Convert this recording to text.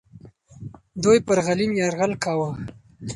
دوی پر غلیم یرغل کاوه.